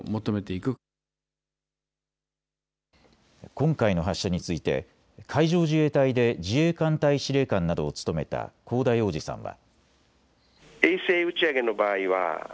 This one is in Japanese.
今回の発射について海上自衛隊で自衛艦隊司令官などを務めた香田洋二さんは。